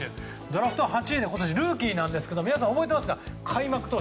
ドラフト８位のルーキーなんですが皆さん、覚えていますか？